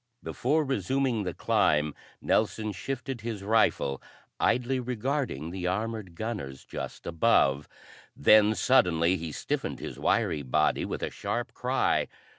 Before resuming the climb Nelson shifted his rifle, idly regarding the armored gunners just above; then suddenly he stiffened his wiry body with a sharp cry.